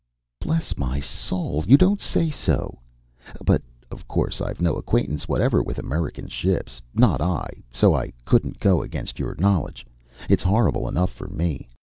"Bless my soul you don't say so! But of course I've no acquaintance whatever with American ships, not I, so I couldn't go against your knowledge. It's horrible enough for me....